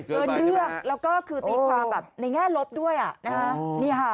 เกินเดือกแล้วก็คือตีความแบบในแง่ลบด้วยนะฮะ